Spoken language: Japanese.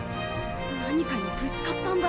何かにぶつかったんだ。